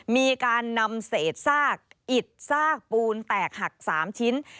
มีการนำเศษซากอิดซากปูนแตกหัก๓ชิ้น